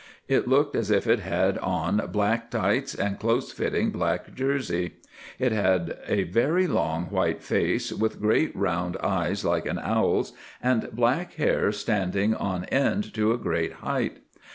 It looked as if it had on black tights and close fitting black jersey. It had a very long white face, with great round eyes like an owl's and black hair standing on end to a great height.